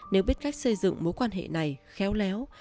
nếu biết cách xây dựng mối quan hệ này khéo léo